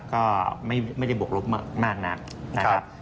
ก็ไม่ได้บวกลบมากนักนะครับ